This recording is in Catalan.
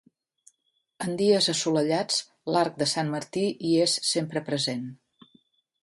En dies assolellats, l'arc de Sant Martí hi és sempre present.